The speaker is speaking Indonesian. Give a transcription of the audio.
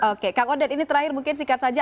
oke kang odet ini terakhir mungkin singkat saja